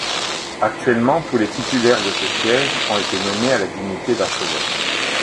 Actuellement tous les titulaires de ce siège ont été nommés à la dignité d'archevêque.